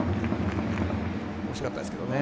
おしかったですけれどね。